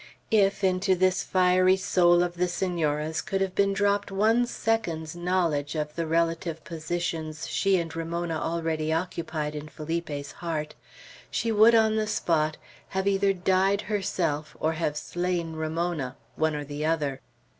If into this fiery soul of the Senora's could have been dropped one second's knowledge of the relative positions she and Ramona already occupied in Felipe's heart, she would, on the spot, have either died herself or have slain Ramona, one or the other.